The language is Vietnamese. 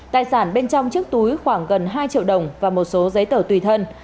tài sản bên trong chiếc túi khoảng gần hai triệu đồng và một số giấy tờ tùy thân